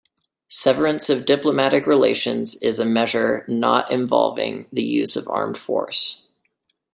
Severance of diplomatic relations is a measure not involving the use of armed force.